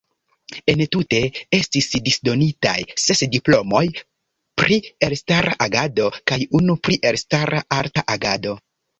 Entute estis disdonitaj ses diplomoj pri elstara agado kaj unu pri elstara arta agado.